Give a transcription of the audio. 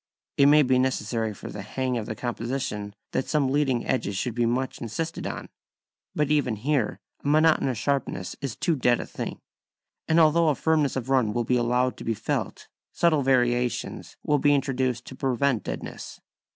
It may be necessary for the hang of the composition that some leading edges should be much insisted on. But even here a monotonous sharpness is too dead a thing, and although a firmness of run will be allowed to be felt, subtle variations will be introduced to prevent deadness.